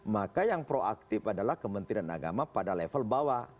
maka yang proaktif adalah kementerian agama pada level bawah